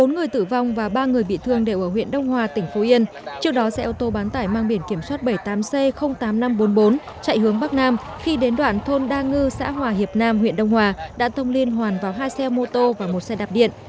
bốn người tử vong và ba người bị thương đều ở huyện đông hòa tỉnh phú yên trước đó xe ô tô bán tải mang biển kiểm soát bảy mươi tám c tám nghìn năm trăm bốn mươi bốn chạy hướng bắc nam khi đến đoạn thôn đa ngư xã hòa hiệp nam huyện đông hòa đã thông liên hoàn vào hai xe mô tô và một xe đạp điện